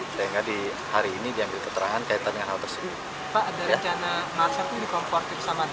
sehingga di hari ini diambil keterangan kaitannya hal tersebut